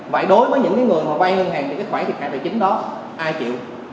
vậy đối với những người vay ngân hàng thì khoản thiệt hại tài chính đó ai chịu